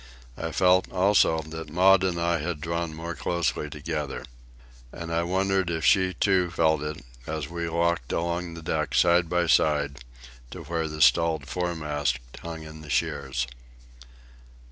I felt, also, that Maud and I had drawn more closely together. And I wondered if she, too, felt it, as we walked along the deck side by side to where the stalled foremast hung in the shears.